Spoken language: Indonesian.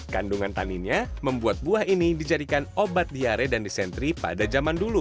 kandungan taninya membuat buah ini dijadikan obat diare dan disentri pada zaman dulu